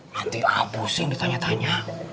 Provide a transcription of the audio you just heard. nanti ah pusing ditanya tanya